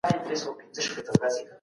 او هم شتمني د هوښیارتیا له امله.